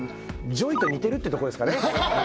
ＪＯＹと似てるってとこですかね